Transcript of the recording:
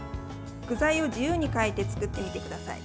具材を自由に変えて作ってみてください。